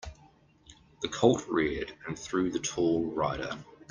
The colt reared and threw the tall rider.